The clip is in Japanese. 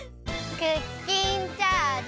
クッキンチャージ！